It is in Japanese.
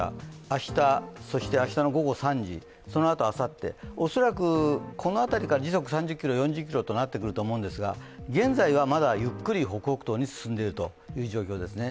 明日、明日の午後３時、そのあと、あさって、恐らくこの辺りから時速３０キロ、４０キロとなってきそうですが現在はまだゆっくり北北東に進んでいる状況ですね。